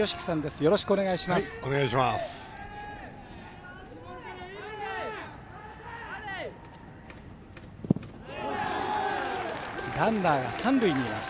よろしくお願いします。